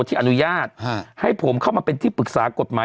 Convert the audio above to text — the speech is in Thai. ที่อนุญาตให้ผมเข้ามาเป็นที่ปรึกษากฎหมาย